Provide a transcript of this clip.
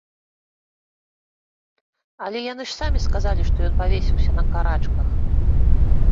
Але яны ж самі сказалі, што ён павесіўся на карачках!